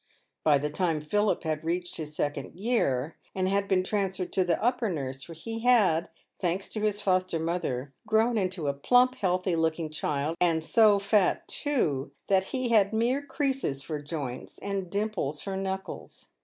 By the time Philip had reached his second year, and had been transferred to the upper nursery, he had, thanks to his foster mother, grown into a plump, healthy looking child, and so fat, too, that he had mere creases for joints and dimples for knuckles.